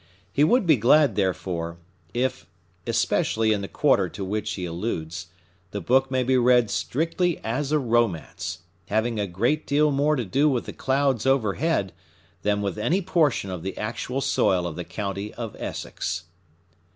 He would be glad, therefore, if—especially in the quarter to which he alludes—the book may be read strictly as a Romance, having a great deal more to do with the clouds overhead than with any portion of the actual soil of the County of Essex.